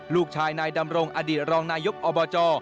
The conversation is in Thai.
ลูกชายนายดำรงอดีตรองนายกอบจ